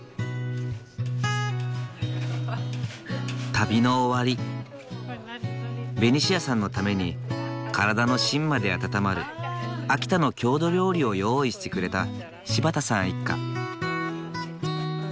旅の終わりベニシアさんのために体の芯まで温まる秋田の郷土料理を用意してくれた柴田さん一家。